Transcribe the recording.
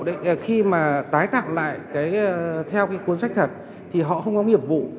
để tạo lại theo cuốn sách thật thì họ không có nghiệp vụ